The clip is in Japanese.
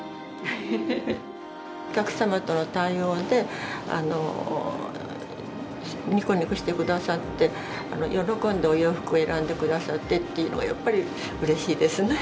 お客様との対応でニコニコして下さって喜んでお洋服を選んで下さってっていうのがやっぱりうれしいですね。